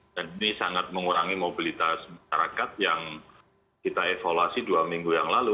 dan ini sangat mengurangi mobilitas masyarakat yang kita evaluasi dua minggu yang lalu